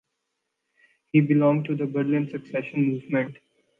He belonged to the Berlin Secession mouvement.